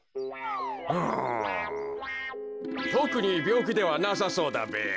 うんとくにびょうきではなさそうだべや。